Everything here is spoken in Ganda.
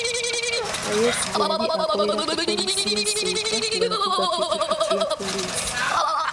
Ayesigye yali akolera ku poliisi y'e Seeta ng'avuga Pikipiki ya poliisi.